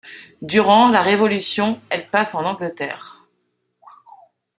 Durant la Révolution, elle passe en Angleterre.